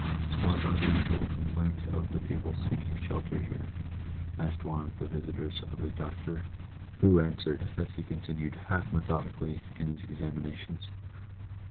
" What are the usual complaints of the people seeking shelter here ?" asked one of the visitors of the doctor, who answered, as he continued, half methodically, his examinations.